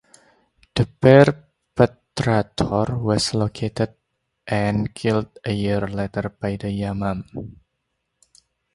The perpetrator was located and killed a year later by the Yamam.